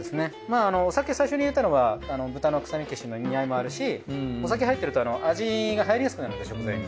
お酒最初に入れたのは豚の臭み消しの意味合いもあるしお酒入ってると味が入りやすくなるんで食材に。